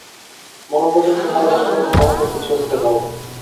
মরণ পর্যন্ত মনে রাখিবার মতো আমাকে একটা-কিছু দাও।